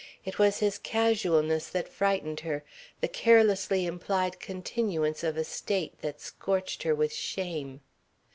It was his casualness that frightened her, the carelessly implied continuance of a state that scorched her with shame.